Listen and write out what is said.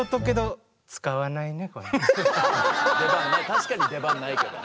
確かに出番ないけどね。